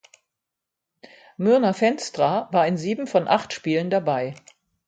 Myrna Veenstra war in sieben von acht Spielen dabei.